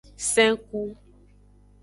Sen ku.